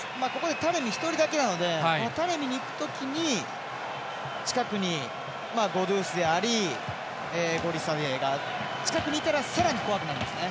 タレミ１人だけなのでタレミにいくときに近くにゴドゥースでありゴリザデーが近くにいたらさらに怖くなりますね。